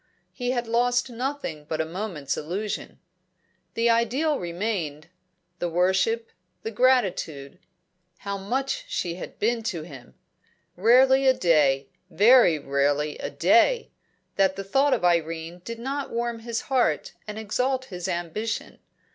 He had lost nothing but a moment's illusion. The ideal remained; the worship, the gratitude. How much she had been to him! Rarely a day very rarely a day that the thought of Irene did not warm his heart and exalt his ambition.